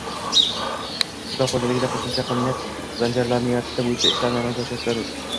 qishloq xo‘jaligida qo‘shimcha qiymat zanjirlarini yaratish bo‘yicha ishlarni amalga oshirish zarur»